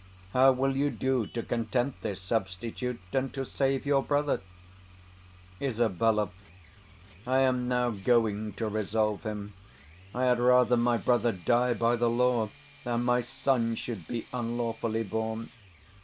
How will you do to content this substitute, and to save your brother? Isab. I am now going to resolve him: I had rather my brother die by the law than my son should be unlawfully born.